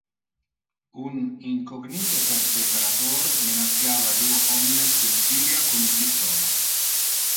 Un incognite perpetrator menaciava duo homines del Syria con un pistola.